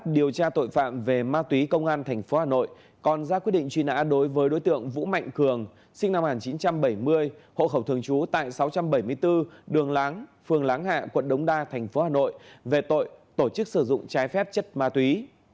điều tra tội phạm về ma túy công an tp hà nội còn ra quyết định truy nã đối với đối tượng vũ mạnh cường sinh năm một nghìn chín trăm bảy mươi hộ khẩu thường trú tại sáu trăm bảy mươi bốn đường láng phường láng hạ quận đống đa thành phố hà nội về tội tổ chức sử dụng trái phép chất ma túy